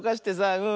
うん。